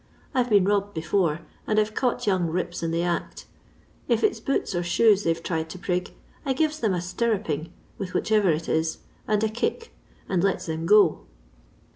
I 've been robbed before, and I 'to caught young rips in the act If it *8 boots or shoes they 've tried to prig, I gives them a stimiping with which erer it is, and a kick, and lets them go."